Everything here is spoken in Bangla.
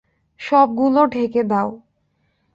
সবগুলো ঢেকে দাও!